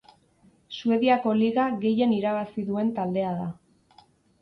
Suediako liga gehien irabazi duen taldea da.